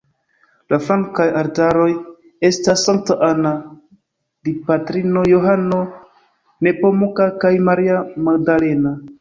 La flankaj altaroj estas Sankta Anna, Dipatrino, Johano Nepomuka kaj Maria Magdalena.